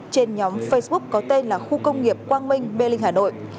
trên nhóm facebook có tên là khu công nghiệp quang minh mê linh hà nội